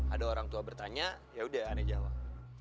ada orang tua bertanya yaudah anda jawab